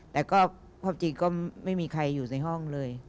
แต่ก็พบจีกก็ไม่มีใครอยู่ในห้องเลย